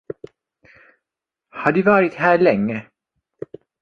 Har du varit här länge?